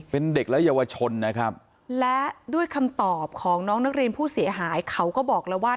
เป็นเด็กและเยาวชนนะครับและด้วยคำตอบของน้องนักเรียนผู้เสียหายเขาก็บอกแล้วว่า